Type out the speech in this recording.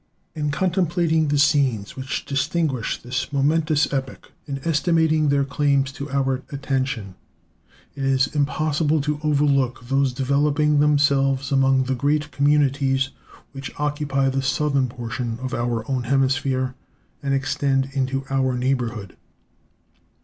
In contemplating the scenes which distinguish this momentous epoch, and estimating their claims to our attention, it is impossible to overlook those developing themselves among the great communities which occupy the southern portion of our own hemisphere and extend into our neighborhood.